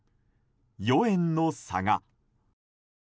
４円の差が。